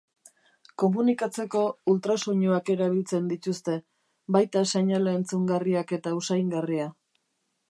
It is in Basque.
Komunikatzeko ultrasoinuak erabiltzen dituzte, baita seinale entzungarriak eta usaingarria.